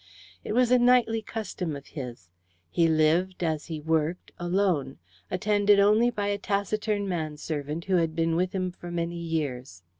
It was a nightly custom of his. He lived, as he worked, alone, attended only by a taciturn manservant who had been with him for many years.